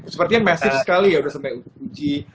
sepertinya massif sekali ya sudah sampai uji